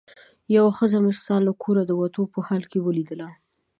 یوه ښځه مې ستا له کوره د وتو په حال کې ولیدله.